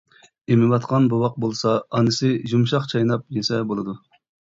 ئېمىۋاتقان بوۋاق بولسا ئانىسى يۇمشاق چايناپ يېسە بولىدۇ.